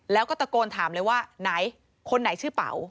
แล้วก็ตะโกนถามเลยว่าไหนคนไหนชื่อเป๋า